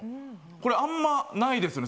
これ、あんまないですよね。